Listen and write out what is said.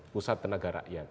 pusat tenaga rakyat